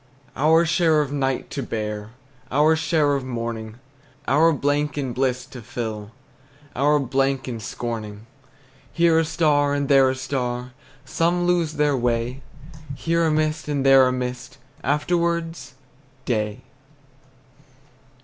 Our share of night to bear, Our share of morning, Our blank in bliss to fill, Our blank in scorning. Here a star, and there a star, Some lose their way. Here a mist, and there a mist, Afterwards day!